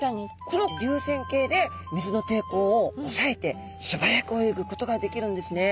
この流線形で水の抵抗をおさえてすばやく泳ぐことができるんですね。